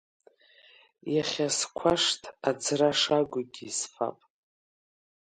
Иахьа сқәашҭ аӡра шагугьы исфап.